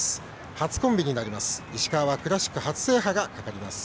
初コンビになります。